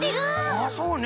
あそうね。